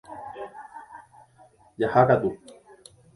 Jahákatu